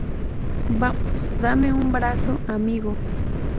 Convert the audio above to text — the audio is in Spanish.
vamos, dame un abrazo, amigo.